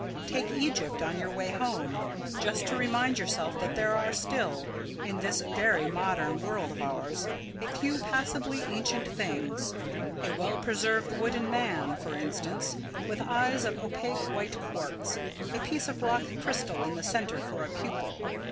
Take Egypt on your way home, just to remind yourself that there are still, in this very modern world of ours, a few passably ancient things, a well preserved wooden man, for instance, with eyes of opaque white quartz, a piece of rock crystal in the centre for a pupil.